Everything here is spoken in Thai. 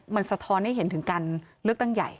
มันสะท้อนให้เห็นถึงการเลือกตั้งใหญ่